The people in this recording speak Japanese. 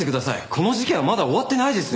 この事件はまだ終わってないですよ。